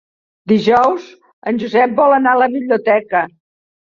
Dijous en Josep vol anar a la biblioteca.